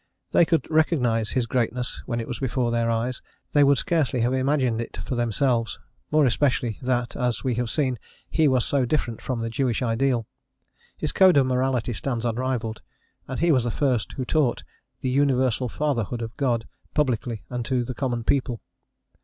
They could recognise his greatness when it was before their eyes: they would scarcely have imagined it for themselves, more especially that, as we have seen, he was so different from the Jewish ideal. His code of morality stands unrivalled, and he was the first who taught the universal Fatherhood of God publicly and to the common people.